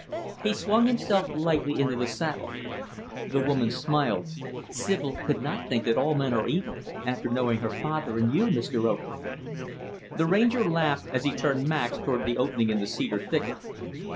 He swung himself lightly into the saddle. The woman smiled; "Sibyl could not think that all men are evil, after knowing her father and you, Mr. Oakley." The Ranger laughed as he turned Max toward the opening in the cedar thicket.